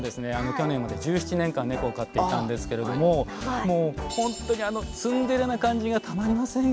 去年まで１７年間ネコを飼っていたんですけれどももうほんとにあのツンデレな感じがたまりませんよね。